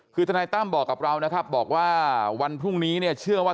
คือทนายตั้มบอกกับเรานะครับบอกว่าวันพรุ่งนี้เนี่ยเชื่อว่า